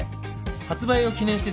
発売を記念して